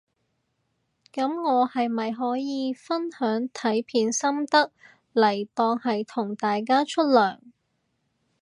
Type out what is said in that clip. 噉我係咪可以分享睇片心得嚟當係同大家出糧